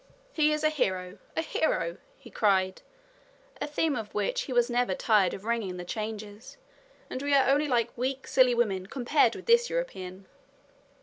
"He is a hero! a hero!" he cried, a theme of which he was never tired of ringing the changes; "and we are only like weak, silly women, compared with this European!"